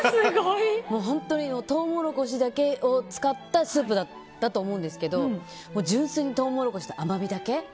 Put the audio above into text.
本当にトウモロコシだけを使ったスープだったと思うんですけど純粋にトウモロコシの甘みだけ。